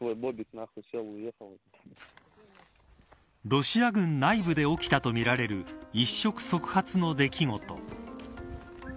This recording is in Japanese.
ロシア軍内部で起きたとみられる一触即発の出来事。